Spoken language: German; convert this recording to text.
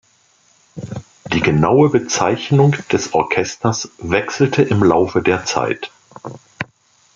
Die genaue Bezeichnung des Orchesters wechselte im Laufe der Zeit.